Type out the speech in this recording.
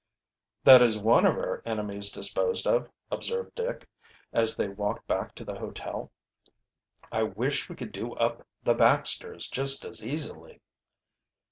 "That is one of our enemies disposed of," observed Dick, as they walked back to the hotel. "I wish we could do up the Baxters just as easily."